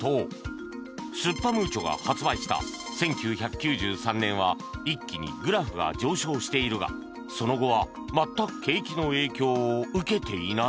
すっぱムーチョが発売した１９９３年は一気にグラフが上昇しているがその後は全く景気の影響を受けていない